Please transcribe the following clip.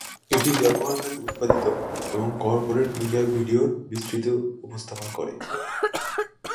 এটি ব্যবহারকারী-উৎপাদিত এবং কর্পোরেট মিডিয়া ভিডিওর বিস্তৃত উপস্থাপন করে।